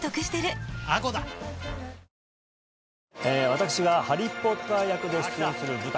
私がハリー・ポッター役で出演する舞台